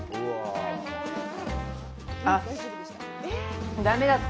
あっだめだった。